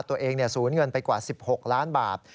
สูญเงินไปกว่า๑๖ล้านบาท